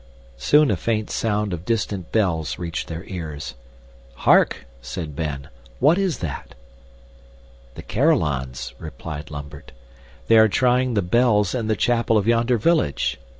Soon a faint sound of distant bells reached their ears. "Hark!" said Ben. "What is that?" "The carillons," replied Lambert. "They are trying the bells in the chapel of yonder village.